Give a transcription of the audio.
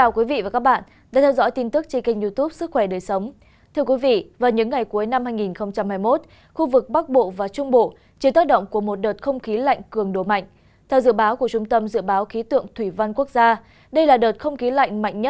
các bạn hãy đăng ký kênh để ủng hộ kênh của chúng mình nhé